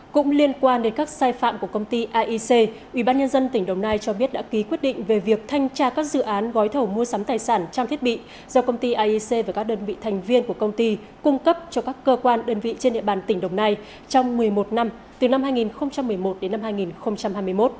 cũng liên quan đến các sai phạm của công ty aic ubnd tỉnh đồng nai cho biết đã ký quyết định về việc thanh tra các dự án gói thầu mua sắm tài sản trang thiết bị do công ty aic và các đơn vị thành viên của công ty cung cấp cho các cơ quan đơn vị trên địa bàn tỉnh đồng nai trong một mươi một năm từ năm hai nghìn một mươi một đến năm hai nghìn hai mươi một